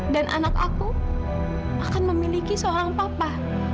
dan anak aku akan memiliki seorang papa